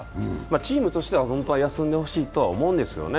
チームとしては本当は休んでほしいと思うんですよね、